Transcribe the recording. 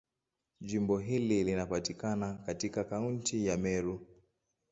Jimbo hili linapatikana katika Kaunti ya Meru.